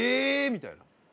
みたいな。